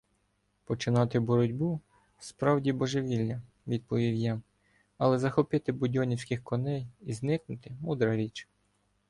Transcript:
— Починати боротьбу — справді божевілля, — відповів я, — але захопити будьонівських коней і зникнути — мудра річ.